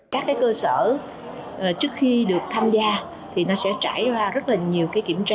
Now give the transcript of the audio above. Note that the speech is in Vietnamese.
các cơ sở trước khi được tham gia thì nó sẽ trải ra rất nhiều kiểm tra